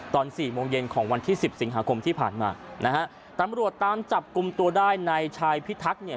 สี่โมงเย็นของวันที่สิบสิงหาคมที่ผ่านมานะฮะตำรวจตามจับกลุ่มตัวได้ในชายพิทักษ์เนี่ย